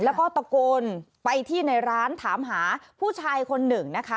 แล้วก็ตะโกนไปที่ในร้านถามหาผู้ชายคนหนึ่งนะคะ